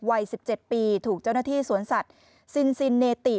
วัย๑๗ปีถูกเจ้าหน้าที่สวนสัตว์ซินซินเนติ